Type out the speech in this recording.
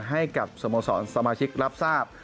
ให้กับสโมสรสมาชิกรับทราบ